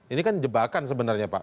ini kan jebakan sebenarnya pak